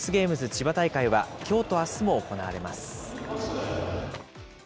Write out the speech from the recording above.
千葉大会は、きょうとあすも行われます。